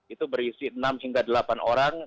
itu berisi enam hingga delapan orang